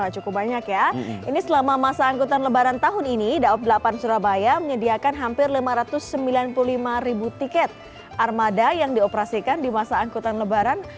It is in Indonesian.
cukup banyak ya ini selama masa angkutan lebaran tahun ini daob delapan surabaya menyediakan hampir lima ratus sembilan puluh lima ribu tiket armada yang dioperasikan di masa angkutan lebaran